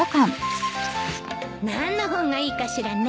何の本がいいかしらね。